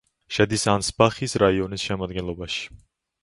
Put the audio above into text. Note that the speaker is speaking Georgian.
შედის ანსბახის რაიონის შემადგენლობაში.